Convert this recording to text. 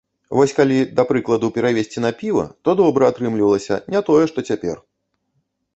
Вось калі, да прыкладу, перавесці на піва, то добра атрымлівалася, не тое што цяпер!